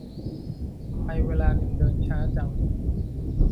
ทำไมเวลาถึงเดินช้าจัง